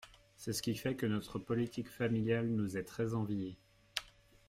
C’est ce qui fait que notre politique familiale nous est très enviée.